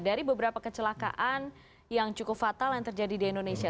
dari beberapa kecelakaan yang cukup fatal yang terjadi di indonesia